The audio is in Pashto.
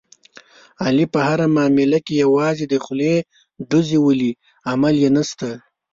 علي په هره معامله کې یوازې د خولې ډوزې ولي، عمل یې نشته.